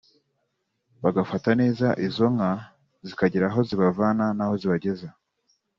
bagafata neza izo nka zikagira aho zibavana n’aho zibageza